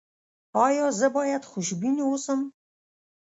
ایا زه باید خوشبین اوسم؟